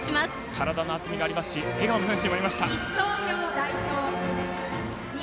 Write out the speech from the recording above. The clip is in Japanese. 体の厚みがありますし笑顔の選手もいました。